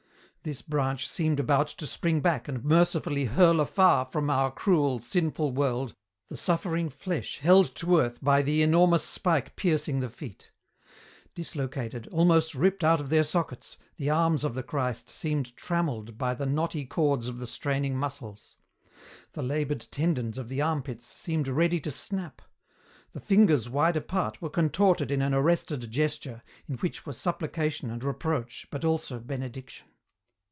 This branch seemed about to spring back and mercifully hurl afar from our cruel, sinful world the suffering flesh held to earth by the enormous spike piercing the feet. Dislocated, almost ripped out of their sockets, the arms of the Christ seemed trammelled by the knotty cords of the straining muscles. The laboured tendons of the armpits seemed ready to snap. The fingers, wide apart, were contorted in an arrested gesture in which were supplication and reproach but also benediction.